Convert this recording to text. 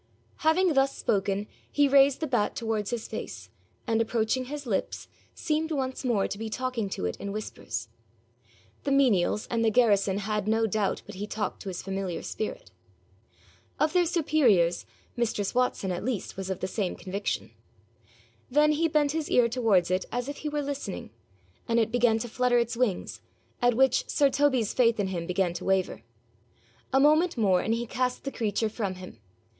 Having thus spoken he raised the bat towards his face, and, approaching his lips, seemed once more to be talking to it in whispers. The menials and the garrison had no doubt but he talked to his familiar spirit. Of their superiors, mistress Watson at least was of the same conviction. Then he bent his ear towards it as if he were listening, and it began to flutter its wings, at which sir Toby's faith in him began to waver. A moment more and he cast the creature from him.